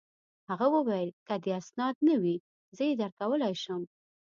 هغه وویل: که دي اسناد نه وي، زه يې درکولای شم.